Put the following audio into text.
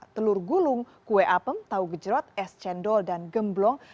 telur gulung kue apem tahu gejrot es cendol dan gemblong